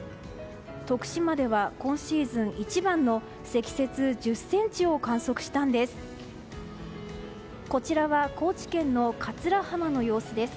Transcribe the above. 徳島では今シーズン一番の積雪１０ｃｍを観測したんです。